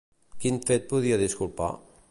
Quin fet podria disculpar?